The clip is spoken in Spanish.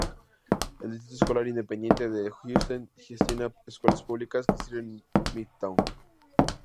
El Distrito Escolar Independiente de Houston gestiona escuelas públicas que sirven Midtown.